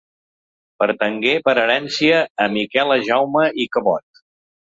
Pertangué per herència a Miquela Jaume i Cabot.